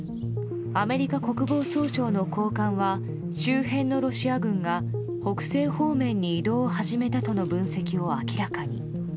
アメリカ国防総省の高官は周辺のロシア軍が北西方面に移動を始めたとの分析を明らかに。